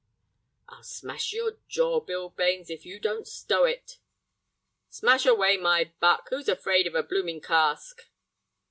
"I'll smash your jaw, Bill Bains, if you don't stow it." "Smash away, my buck. Who's afraid of a bloomin' cask?"